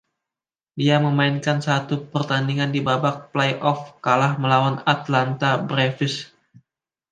Dia memainkan satu pertandingan di babak playoff, kalah melawan Atlanta Braves.